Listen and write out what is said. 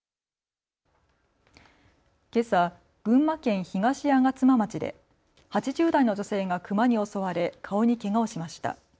けさ、群馬県東吾妻町で８０代の女性がクマに襲われ顔にけがをしました。